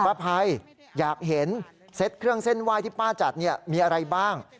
ภัยอยากเห็นเซตเครื่องเส้นไหว้ที่ป้าจัดเนี่ยมีอะไรบ้าง